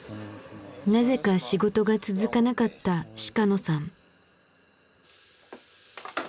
なぜか仕事が続かなかった鹿野さん。